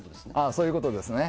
そういうことですね。